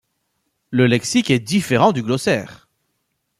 Le lexique est différent du glossaire.